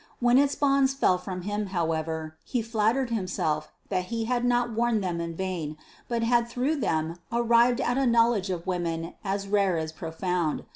When its bonds fell from him, however, he flattered himself that he had not worn them in vain, but had through them arrived at a knowledge of women as rare as profound.